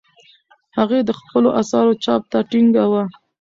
هغې د خپلو اثارو چاپ ته ټینګه وه.